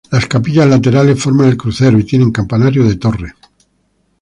Las capillas laterales forman el crucero, y tiene campanario de torre.